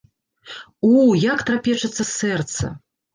У, як трапечацца сэрца.